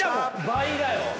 倍だよ。